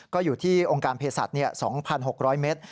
ก็อยู่ที่องค์การเพศสัตว์๒๖๐๐เมตร